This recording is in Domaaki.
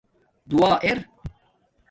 دُعا اِر